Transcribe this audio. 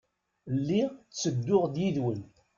Lliɣ ttedduɣ d yiwen.